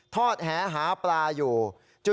ทอดแหหาปลาอยู่